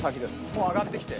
もう上がってきて。